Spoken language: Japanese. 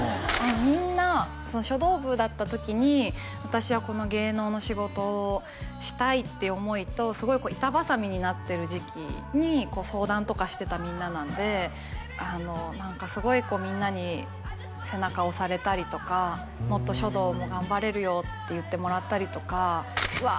みんな書道部だった時に私はこの芸能の仕事をしたいって思いとすごい板挟みになってる時期に相談とかしてたみんななんであの何かすごいみんなに背中押されたりとかもっと書道も頑張れるよって言ってもらったりとかうわ